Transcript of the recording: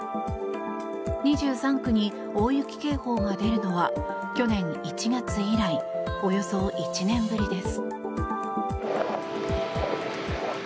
２３区に大雪警報が出るのは去年１月以来およそ１年ぶりです。